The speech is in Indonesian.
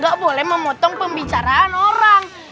gak boleh memotong pembicaraan orang